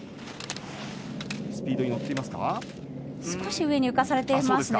少し上に浮かされています。